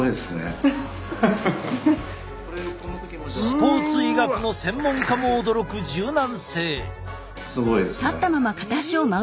スポーツ医学の専門家も驚く柔軟性。